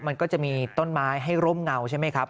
มันก็จะมีต้นไม้ให้ร่มเงาใช่ไหมครับ